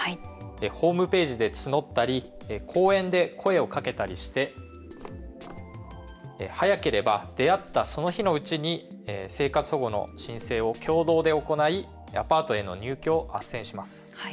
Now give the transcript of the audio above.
ホームページで募ったり公園で声をかけたりして早ければ出会った、その日のうちに生活保護の申請を共同で行いアパートへの入居をあっせんします。